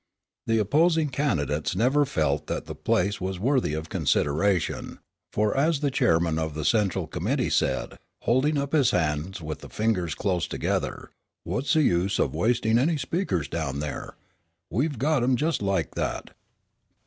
The opposing candidates never felt that the place was worthy of consideration, for as the Chairman of the Central Committee said, holding up his hand with the fingers close together: "What's the use of wasting any speakers down there? We've got 'em just like that."